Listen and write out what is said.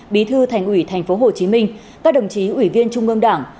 bí thư thành ủy tp hcm các đồng chí ủy viên trung ương đảng